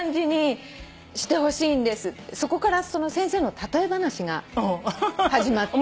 そこから先生の例え話が始まって。